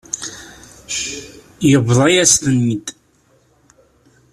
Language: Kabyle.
Yebḍa-yas-ten-id.